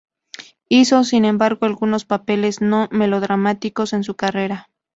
Hizo, sin embargo, algunos papeles no-melodramáticos en su carrera.